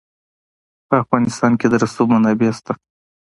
په افغانستان کې د رسوب منابع شته.